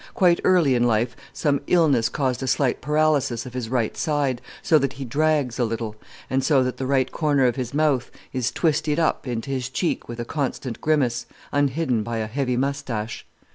Quite early in life some illness caused a slight paralysis of his right side, so that he drags a little, and so that the right corner of his mouth is twisted up into his cheek with a constant grimace, unhidden by a heavy moustache.